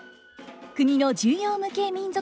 国の重要無形民俗